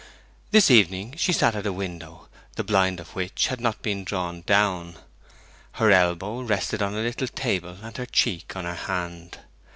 This evening she sat at a window, the blind of which had not been drawn down. Her elbow rested on a little table, and her cheek on her hand.